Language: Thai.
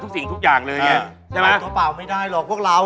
ทุกสิ่งทุกอย่างเลยใช่ไหมอ๋อไปตัวเปล่าไม่ได้หรอกพวกเรา